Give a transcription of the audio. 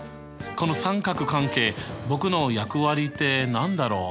この三角関係僕の役割って何だろう？